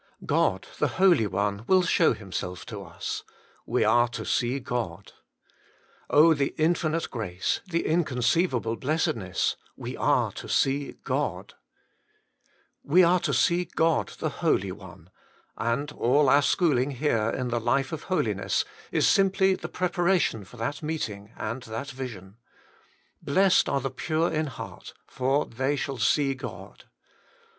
God, the Holy One, will show Himself to us : we are to see God. Oh, the infinite grace, the inconceivable blessedness ! we are to see God. 272 HOLY IN CHRIST. We are to see God, the Holy One. And all our schooling here in the life of holiness is simply the preparation for that meeting and that vision. ' Blessed are the pure in heart, for they shall see God.'